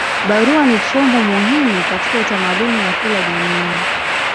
Barua ni chombo muhimu katika utamaduni wa kila jamii.